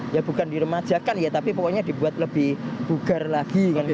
ya bukan diremajakan ya tapi pokoknya dibuat lebih bugar lagi